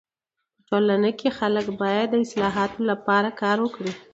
په ټولنه کي خلک باید د اصلاحاتو لپاره کار وکړي.